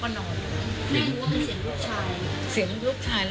วันที่สุดท้าย